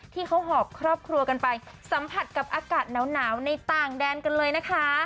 หอบครอบครัวกันไปสัมผัสกับอากาศหนาวในต่างแดนกันเลยนะคะ